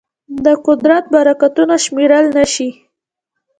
د قدرت برکتونه شمېرل نهشي.